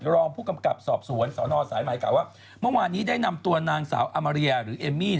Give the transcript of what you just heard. รองผู้กำกับสอบสวนสนสายใหม่กล่าวว่าเมื่อวานนี้ได้นำตัวนางสาวอามาเรียหรือเอมมี่